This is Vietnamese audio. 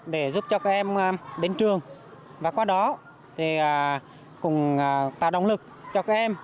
để giúp cho các em đến trường và qua đó cùng tạo động lực cho các em